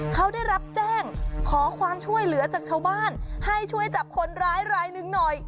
เขาได้รับแจ้งขอความช่วยเหลือจากชาวบ้านให้ช่วยจับคนร้ายรายหนึ่งหน่อย